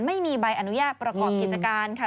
ไม่มีใบอนุญาตประกอบกิจการค่ะ